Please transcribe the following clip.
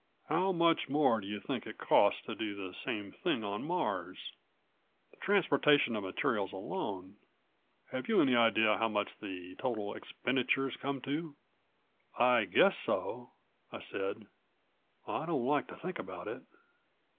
How much more do you think it costs to do the same thing on Mars? The transportation of materials alone Have you any idea how much the total expenditures come to?" "I guess so," I said. "I don't like to think about it."